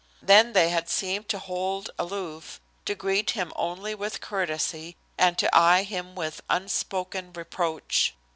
Then they had seemed to hold aloof, to greet him only with courtesy, and to eye him with unspoken reproach.